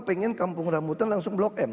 pengen kampung rambutan langsung blok m